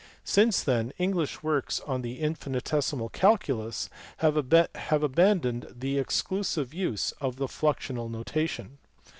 Since then English works on the infinitesimal calculus have abandoned the exclusive use of the fluxional notation.